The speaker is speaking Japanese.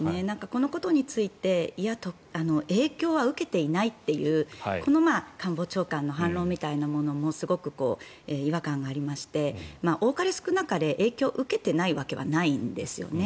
このことについて影響は受けていないというこの官房長官の反論みたいなものもすごく違和感がありまして多かれ少なかれ影響を受けていないわけはないんですよね。